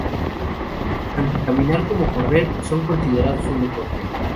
Tanto caminar como correr son considerados un deporte.